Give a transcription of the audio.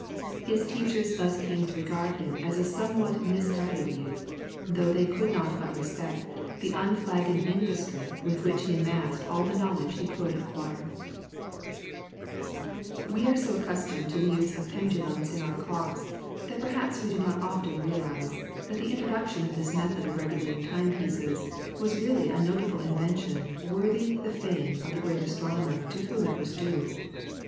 His teachers thus came to regard him as a somewhat misguided youth, though they could not but respect the unflagging industry with which he amassed all the knowledge he could acquire. [PLATE: GALILEO'S PENDULUM.] We are so accustomed to the use of pendulums in our clocks that perhaps we do not often realise that the introduction of this method of regulating time pieces was really a notable invention worthy the fame of the great astronomer to whom it was due.